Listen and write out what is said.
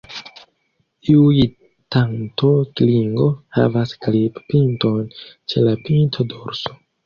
Iuj tanto-klingo havas klip-pinton ĉe la pinto-dorso.